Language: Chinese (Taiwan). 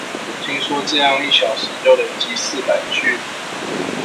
聽說這樣一小時就累積四百句了